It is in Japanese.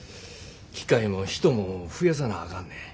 機械も人も増やさなあかんねん。